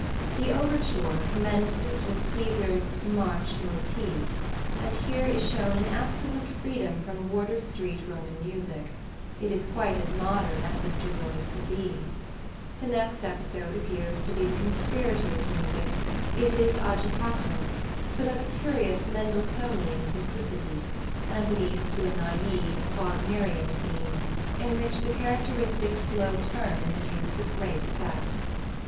The overture commences with Cæsar's "March Motive," and here is shown an absolute freedom from Wardour Street Roman music: it is quite as modern as Mr Rôze could be. The next episode appears to be the Conspirators' Music; it is agitato, but of a curious Mendelssohnian simplicity, and leads to a naïve Wagnerian theme, in which the characteristic slow turn is used with great effect.